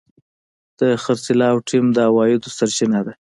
د خرڅلاو ټیم د عوایدو سرچینه ده.